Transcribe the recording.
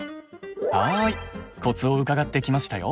はいコツを伺ってきましたよ。